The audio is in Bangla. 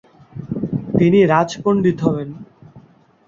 তিনি রাজপণ্ডিত হবেন।